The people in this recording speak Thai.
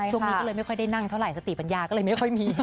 ช่วงนี้ก็เลยไม่ค่อยได้นั่งเท่าไหสติปัญญาก็เลยไม่ค่อยมี